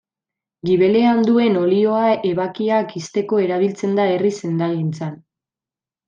Gibelean duen olioa ebakiak ixteko erabiltzen da herri sendagintzan.